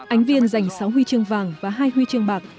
ánh viên dành sáu huy chương vàng và hai huy chương bạc